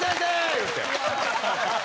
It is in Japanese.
言うて。